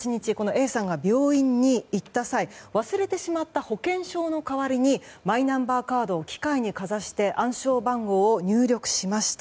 Ａさんが病院に行った際忘れてしまった保険証の代わりにマイナンバーカードを機械にかざして暗証番号を入力しました。